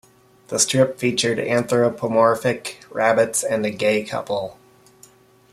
The strip featured anthropomorphic rabbits and a gay couple.